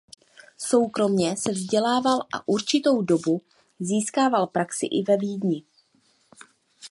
Soukromě se vzdělával a určitou dobu získával praxi i ve Vídni.